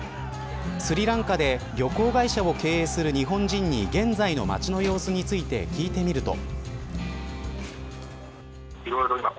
スリランカで旅行会社を経営する日本人に現在の街の様子について聞いてみると。